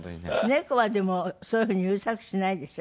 猫はでもそういうふうにうるさくしないでしょ？